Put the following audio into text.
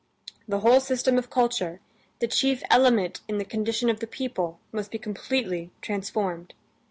The whole system of culture, the chief element in the condition of the people, must be completely transformed.